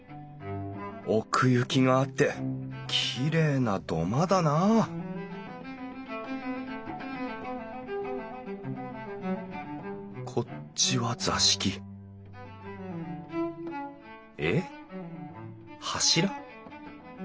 奥行きがあってきれいな土間だなこっちは座敷えっ柱？